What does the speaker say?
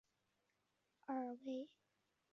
二为依市民权利或政权存在的国内法。